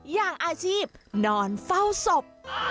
อย่างอาชีพนอนเฝ้าศพ